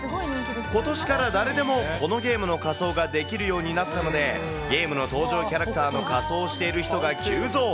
ことしから誰でもこのゲームの仮装ができるようになったので、ゲームの登場キャラクターの仮装をしている人が急増。